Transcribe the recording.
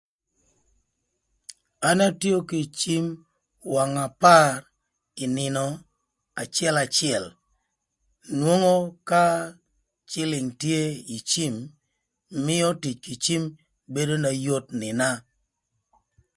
An atio kï cim wang apar ï nïnö acëlacël nwongo ka cïlïng tye ï cim mïö tic kï cim bedo na yot nïna.